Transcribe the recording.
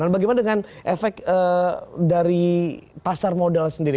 bagaimana dengan efek dari pasar modal sendiri